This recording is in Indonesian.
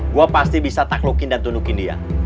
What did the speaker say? gue pasti bisa taklukin dan tunukin dia